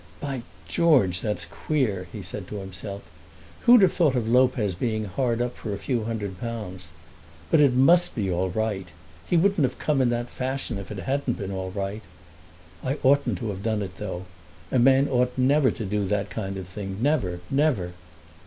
"By George, that's queer," he said to himself. "Who'd have thought of Lopez being hard up for a few hundred pounds? But it must be all right. He wouldn't have come in that fashion, if it hadn't been all right. I oughtn't to have done it though! A man ought never to do that kind of thing; never, never!"